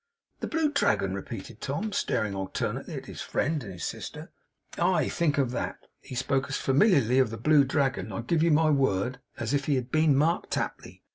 'The Blue Dragon!' repeated Tom, staring alternately at his friend and his sister. 'Aye, think of that! He spoke as familiarly of the Blue Dragon, I give you my word, as if he had been Mark Tapley.